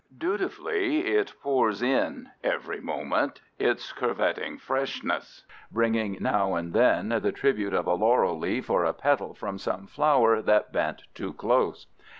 Dutifully it pours in every moment its curveting freshness, bringing now and then the tribute of a laurel leaf or a petal from some flower that bent too close.